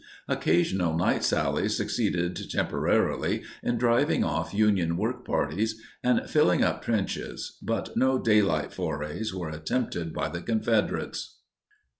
Occasional night sallies succeeded temporarily in driving off Union work parties and filling up trenches, but no daylight forays were attempted by the Confederates.